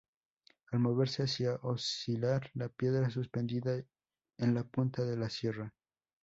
Al moverse hacía oscilar la piedra suspendida en la punta de la sierra.